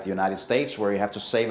pendidikan sekolah anak anak anda